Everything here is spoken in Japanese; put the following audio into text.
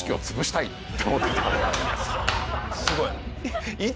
すごい。